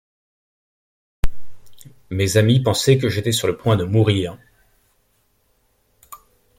Mes amis pensaient que j'étais sur le point de mourir.